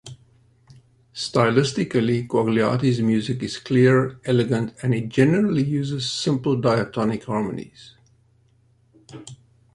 Stylistically, Quagliati's music is clear, elegant, and he generally uses simple diatonic harmonies.